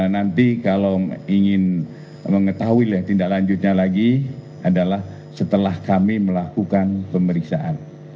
nanti kalau ingin mengetahui tindak lanjutnya lagi adalah setelah kami melakukan pemeriksaan